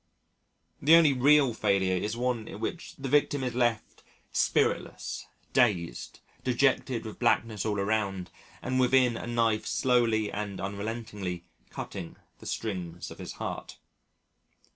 The only real failure is one in which the victim is left spiritless, dazed, dejected with blackness all around, and within, a knife slowly and unrelentingly cutting the strings of his heart.